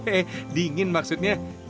eh dingin maksudnya